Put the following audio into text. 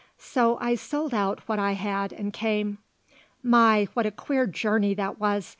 So I sold out what I had and came. My, what a queer journey that was.